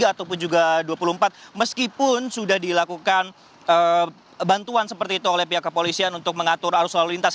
ataupun juga dua puluh empat meskipun sudah dilakukan bantuan seperti itu oleh pihak kepolisian untuk mengatur arus lalu lintas